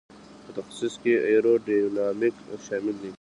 په تخصص کې ایرو ډینامیک شامل دی.